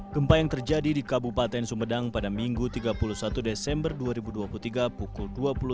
gempa yang terjadi di kabupaten sumedang pada minggu tiga puluh satu desember dua ribu dua puluh tiga pukul dua puluh tiga